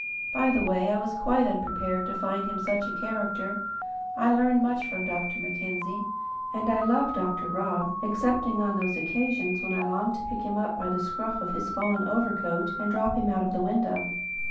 By the way, I was quite unprepared to find him such a character. I learn much from Dr. Mackenzie, and I love Dr. Rob, excepting on those occasions when I long to pick him up by the scruff of his fawn overcoat and drop him out of the window.